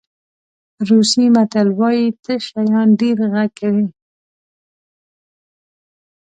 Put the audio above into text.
روسي متل وایي تش شیان ډېر غږ کوي.